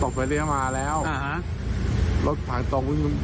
ผมขับรถมอเตอร์ไซค์ตกไฟเลี้ยวมาแล้ว